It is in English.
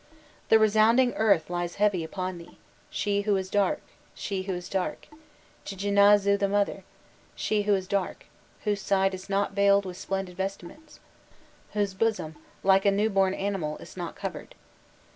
The resounding earth lies heavy upon thee, she who is dark, she who is dark, Tjinazu the mother, she who is dark, whose side is not veiled with splendid vestments, whose bosom, like a new born animal, is not covered.